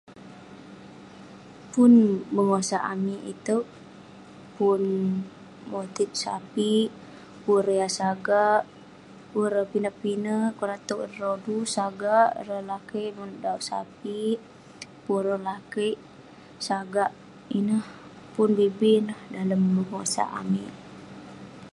Pun pegosak amik iteuk pun moteik sapek pun ireh yah sagak pun ireh rodu sagak ireh lakeik manuek dauk sapek pun ireh lakeik sagak ineh pun bi-bi neh dalem pegosak amik